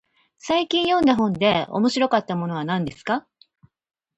最近読んだ本で面白かったものは何ですか。